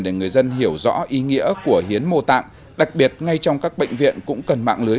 để người dân hiểu rõ ý nghĩa của hiến mô tạng đặc biệt ngay trong các bệnh viện cũng cần mạng lưới